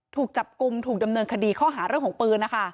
ถูกจับกลุ่มถูกดำเนินคดีข้อหาเรื่องของปืนนะคะ